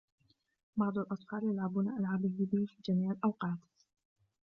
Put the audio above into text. بعض الأطفال يلعبون ألعاب الفيديو في جميع الأوقات.